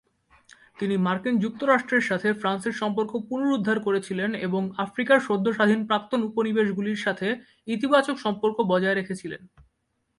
তিনি মার্কিন যুক্তরাষ্ট্রের সাথে ফ্রান্সের সম্পর্ক পুনরুদ্ধার করেছিলেন এবং আফ্রিকার সদ্য স্বাধীন প্রাক্তন উপনিবেশগুলির সাথে ইতিবাচক সম্পর্ক বজায় রেখেছিলেন।